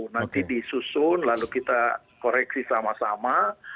nanti disusun lalu kita koreksi sama sama